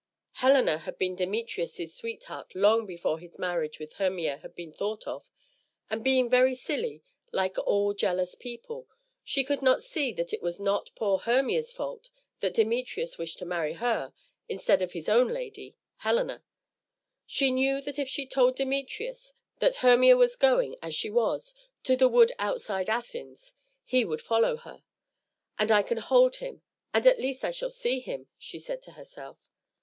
Helena had been Demetrius's sweetheart long before his marriage with Hermia had been thought of, and being very silly, like all jealous people, she could not see that it was not poor Hermia's fault that Demetrius wished to marry her instead of his own lady, Helena. She knew that if she told Demetrius that Hermia was going, as she was, to the wood outside Athens, he would follow her, "and I can follow him, and at least I shall see him," she said to herself.